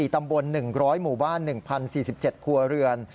ตำบล๑๐๐หมู่บ้าน๑๐๔๗ครัวเรือน